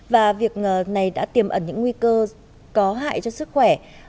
và việc này đã tiềm ẩn những nguy cơ có hại cho sức khỏe